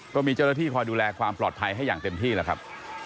ก็มีเจ้าหน้าที่คอยดูแลความปลอดภัยให้อย่างเต็มที่แล้วครับ